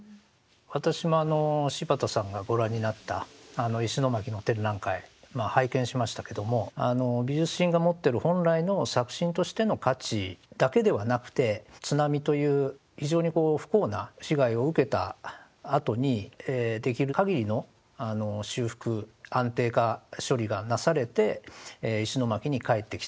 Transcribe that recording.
私も柴田さんがご覧になった石巻の展覧会拝見しましたけども美術品が持ってる本来の作品としての価値だけではなくて津波という非常にこう不幸な被害を受けたあとにできるかぎりの修復安定化処理がなされて石巻にかえってきた。